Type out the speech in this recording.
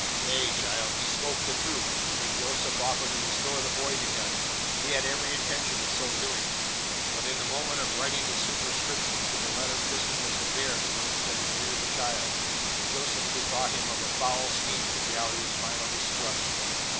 "Nay, child, he spoke the truth, and when Joseph offered to restore the boy to him, he had every intention of so doing. But in the moment of writing the superscription to the letter Crispin was to bear to those that had reared the child, Joseph bethought him of a foul scheme for Galliard's final destruction.